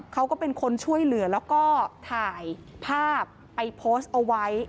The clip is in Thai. เขาก็เป็นคนช่วยเหลือแล้วก็ถ่ายภาพไปโพสต์เอาไว้